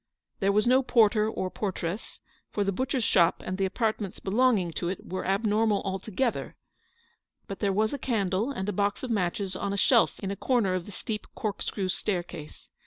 There was no porter or portress, for the butcher's shop and the apart ments belonging to it were abnormal altogether ; but there was a candle and box of matches on a shelf in a corner of the steep corkscrew staircase.